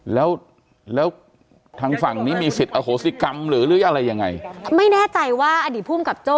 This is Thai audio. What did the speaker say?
แล้วแล้วทางฝั่งนี้มีสิทธิ์อโหสิกรรมหรือหรืออะไรยังไงไม่แน่ใจว่าอดีตภูมิกับโจ้